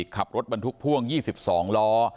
ขับรถบรรทุกพ่วง๒๒ล้อ